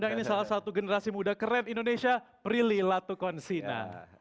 ini salah satu generasi muda keren indonesia prilly latukonsina